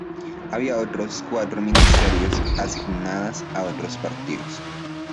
Había otros cuatro ministerios asignadas a otros partidos.